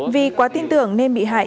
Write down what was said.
vì quá tin tưởng nên bị hại